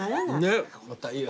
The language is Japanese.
またいいわ。